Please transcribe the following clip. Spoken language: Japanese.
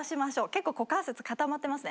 結構股関節固まってますね。